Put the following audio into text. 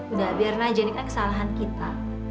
udah biar aja ini kan kesalahan kita